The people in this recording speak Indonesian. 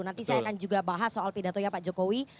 nanti saya akan juga bahas soal pidatonya pak jokowi